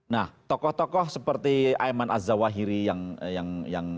nah tokoh tokoh seperti ayman azza wahiri yang